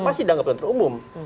pasti dianggap untuk umum